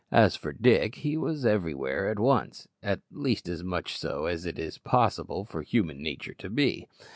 As for Dick, he was everywhere at once, at least as much so as it is possible for human nature to be!